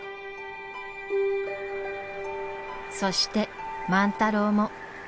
そして万太郎も。